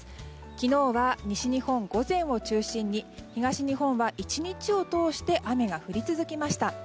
昨日は西日本、午前を中心に東日本は１日を通して雨が降り続きました。